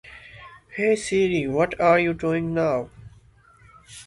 The collection has had a number of homes.